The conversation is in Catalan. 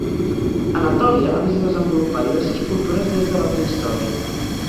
Anatòlia ha vist desenvolupar diverses cultures des de la prehistòria.